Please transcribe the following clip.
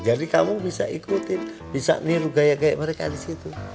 jadi kamu bisa ikutin bisa niru gaya gaya mereka di situ